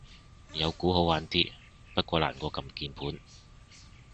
有鼓好玩啲，不過難過撳鍵盤